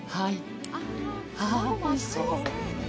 ああ、おいしそう。